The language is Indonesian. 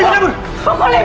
ibu liat nih ibu bincang